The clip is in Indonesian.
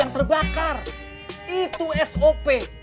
yang terbakar itu sop